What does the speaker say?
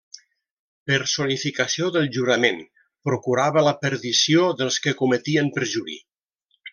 Personificació del jurament, procurava la perdició dels que cometien perjuri.